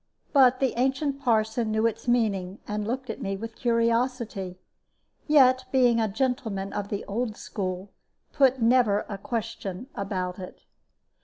But the ancient parson knew its meaning, and looked at me with curiosity; yet, being a gentleman of the old school, put never a question about it.